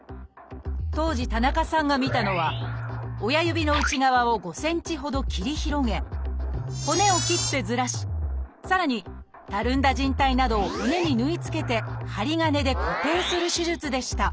当時田中さんが見たのは親指の内側を５センチほど切り広げ骨を切ってずらしさらにたるんだじん帯などを骨に縫い付けて針金で固定する手術でした。